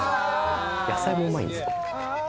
野菜もうまいんですよ。